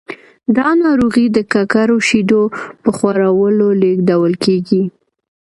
دا ناروغي د ککړو شیدو په خوړلو لیږدول کېږي.